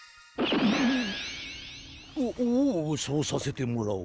おっおうそうさせてもらおう。